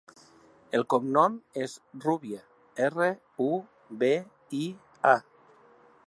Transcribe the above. El cognom és Rubia: erra, u, be, i, a.